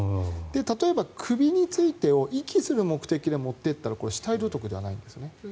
例えば、首について遺棄する目的で持っていったら死体領得ではないんですね。